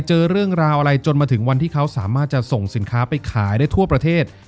เจอเรื่องราวอะไรจนมาถึงวันที่เขาสามารถจะส่งสินค้าไปขายได้ทั่วประเทศ